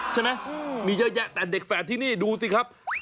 ใช่ไหมมีเยอะแยะแต่เด็กแฝดที่นี่ดูสิครับ